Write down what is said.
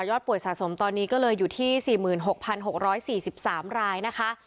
ยอดป่วยสะสมตอนนี้ก็เลยอยู่ที่สี่หมื่นหกพันหกร้อยสี่สิบสามรายนะคะ